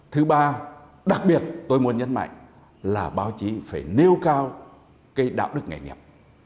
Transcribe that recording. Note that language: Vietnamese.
thứ ba đặc biệt tôi muốn nhấn mạnh là báo chí phải nêu cao cái đạo đức nghề nghiệp